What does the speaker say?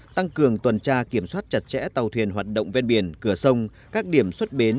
tăng cường tuần tra kiểm soát chặt chẽ tàu thuyền hoạt động ven biển cửa sông các điểm xuất bến